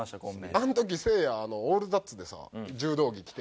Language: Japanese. あの時せいや『オールザッツ』でさ柔道着着て。